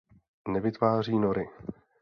Nevytváří nory.